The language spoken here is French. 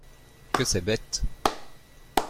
Que c’est bête !